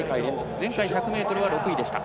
前回１００ｍは６位でした。